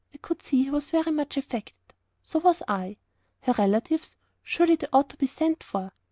I could see he was very much affected. So was I. "Her relatives surely they ought to be sent for?"